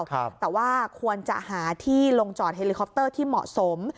แต่ว่าควรจะหาที่ลงจอดเฮลิคอปเตอร์ที่เหมาะสม